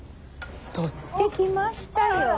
取ってきましたよ。